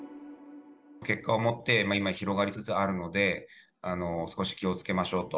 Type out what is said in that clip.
結果をもって、今広がりつつあるので、少し気をつけましょうと。